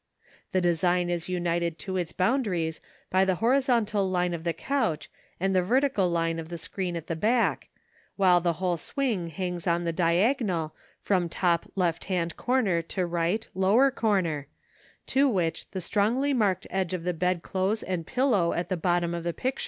The design is united to its boundaries by the horizontal line of the couch and the vertical line of the screen at the back, while the whole swing hangs on the diagonal from top left hand corner to right; lower corner, to which the strongly marked edge of the bed clothes and pillow at the bottom of the picture is parallel.